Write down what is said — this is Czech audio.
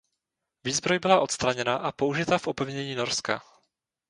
Výzbroj byla odstraněna a použita v opevnění Norska.